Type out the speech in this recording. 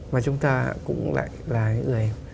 mà chúng ta cũng lại là người